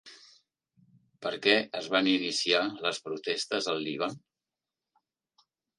Per què es van iniciar les protestes al Líban?